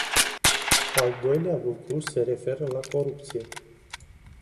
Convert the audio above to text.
Al doilea lucru se referă la corupție.